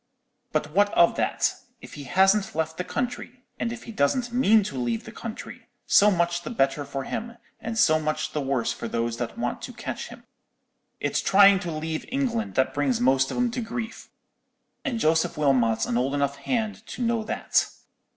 But what of that? If he hasn't left the country, and if he doesn't mean to leave the country, so much the better for him, and so much the worse for those that want to catch him. It's trying to leave England that brings most of 'em to grief, and Joseph Wilmot's an old enough hand to know that.